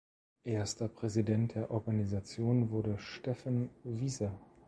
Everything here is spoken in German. Erster Präsident der Organisation wurde Stephen Wise.